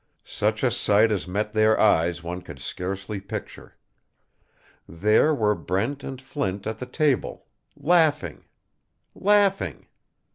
Such a sight as met their eyes one could scarcely picture. There were Brent and Flint at the table laughing laughing.